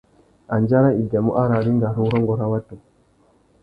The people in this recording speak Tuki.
Andjara i biamú ararringa râ urrôngô râ watu.